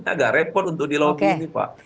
agak repot untuk dilopi ini pak